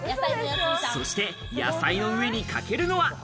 そして野菜の上にかけるのは。